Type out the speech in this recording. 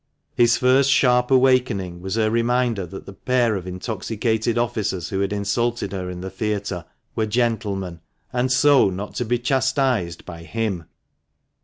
His first sharp awakening was her reminder that the pair of intoxicated officers who had insulted her in the theatre were "gentlemen," and so not to be chastised by him.